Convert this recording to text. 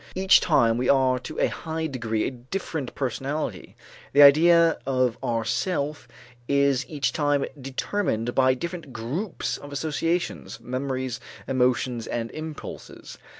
Each time we are to a high degree a different personality, the idea of our self is each time determined by different groups of associations, memories, emotions, and impulses.